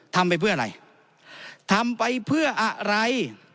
ทำไปเพื่ออะไรทำไปเพื่ออะไร